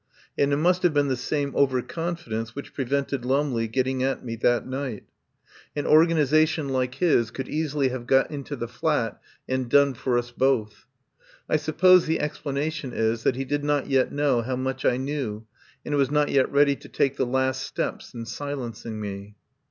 And it must have been the same over confidence which prevented Lumley getting at me that night. An organisation like his 164 I FIND SANCTUARY could easily have got into the flat and done for us both. I suppose the explanation is that he did not yet know how much I knew and was not yet ready to take the last steps in silencing me.